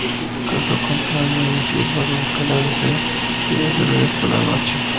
Caso contrario, ella silba, rompe la vajilla, y hace ruidos por la noche.